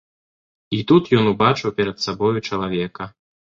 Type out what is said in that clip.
І тут ён убачыў перад сабою чалавека.